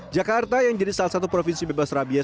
jakarta yang jadi salah satu provinsi bebas rabies